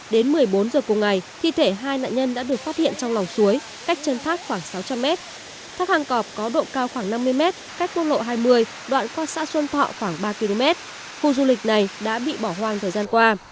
đến một mươi bốn h cùng ngày thi thể hai nạn nhân đã được phát hiện trong lòng suối cách chân tháp khoảng sáu trăm linh mét thác hàng cọp có độ cao khoảng năm mươi m cách quốc lộ hai mươi đoạn qua xã xuân thọ khoảng ba km khu du lịch này đã bị bỏ hoang thời gian qua